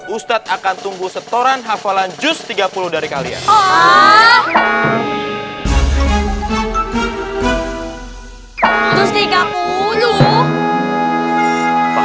ustadz akan tunggu setoran hafalan jus tiga puluh dari kalian